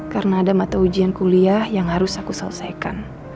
karena ada mata ujian kuliah yang harus aku selesaikan